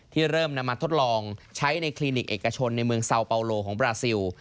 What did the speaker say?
เริ่มนำมาทดลองใช้ในคลินิกเอกชนในเมืองซาวเปาโลของบราซิล